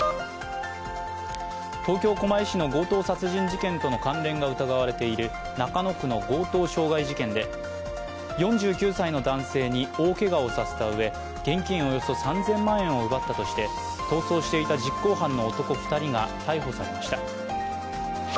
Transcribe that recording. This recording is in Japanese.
東京・狛江市の強盗殺人事件との関連が疑われている中野区の強盗傷害事件で、４９歳の男性に大けがをさせたうえ、現金およそ３０００万円を奪ったとして逃走していた実行犯の男２人が逮捕されました。